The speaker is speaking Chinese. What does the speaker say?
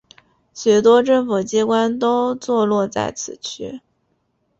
许多政府机关都座落在此区。